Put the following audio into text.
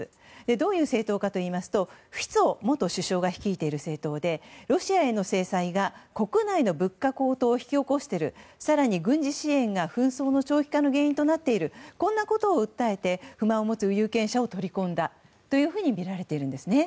どういう政党かといいますとフィツォ元首相が率いている政党でロシアへの制裁が国内の物価高騰を引き起こしている更に軍事支援が紛争の長期化の原因となっているということを訴えて不満を持つ有権者を取り込んだとみられているんですね。